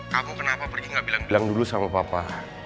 kamu kenapa pergi gak bilang bilang dulu sama papa